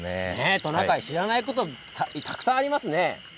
トナカイ知らないことたくさんありますね。